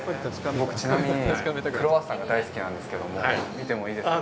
僕、ちなみにクロワッサンが大好きなんですけども、見てもいいですか？